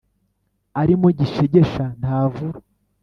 arimo gishegesha ntavura» !